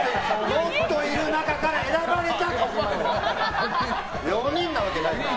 もっといる中から選ばれた４人だから！